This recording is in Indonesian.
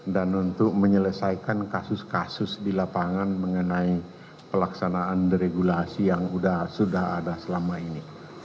dan untuk menyelesaikan kasus kasus di lapangan mengenai pelaksanaan deregulasi yang sudah ada selama ini